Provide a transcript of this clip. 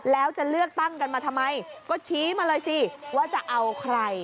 แล้วจะเลือกตั้งกันมาทำไมก็ชี้มาเลยสิว่าจะเอาใคร